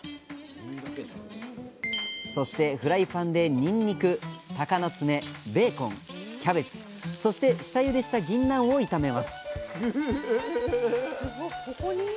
そしてフライパンでにんにくたかのつめベーコンキャベツそして下ゆでしたぎんなんを炒めます